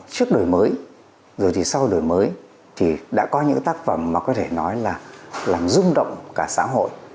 trước đổi mới rồi thì sau đổi mới thì đã có những tác phẩm mà có thể nói là làm rung động cả xã hội